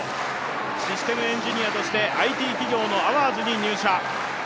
システムエンジニアとしてＩＴ企業のアワーズに入社。